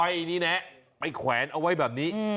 อ้อยนี่เนี้ยไปแขวนเอาไว้แบบนี้